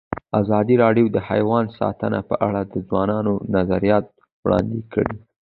ازادي راډیو د حیوان ساتنه په اړه د ځوانانو نظریات وړاندې کړي.